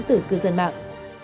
từ cư dân mạng